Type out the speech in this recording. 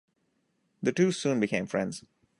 The two soon became friends.